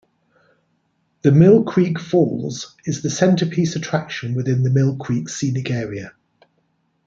The Mill Creek Falls is the centerpiece attraction within the Mill Creek Scenic Area.